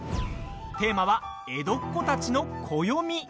テーマは「江戸っ子たちの暦」。